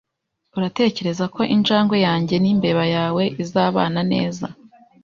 Uratekereza ko injangwe yanjye nimbeba yawe izabana neza?